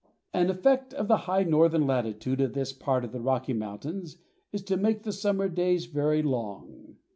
An effect of the high northern latitude of this part of the Rocky Mountains is to make the summer days very long.